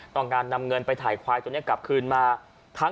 ต้องการนำเงินไปถ่ายควายตัวเนี่ยกลับคืนมา